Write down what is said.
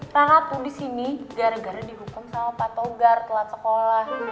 rara tuh disini gara gara dihukum sama pak togar telat sekolah